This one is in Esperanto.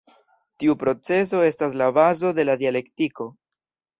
Tiu procezo estas la bazo de la dialektiko.